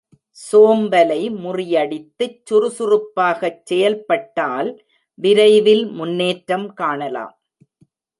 சோம்பலை முறியடித்துச் சுறுசுறுப்பாகச் செயல் பட்டால் விரைவில் முன்னேற்றம் காணலாம்.